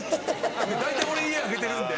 大体俺家空けてるんで。